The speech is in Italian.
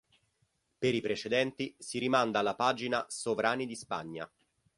Per i precedenti, si rimanda alla pagina Sovrani di Spagna.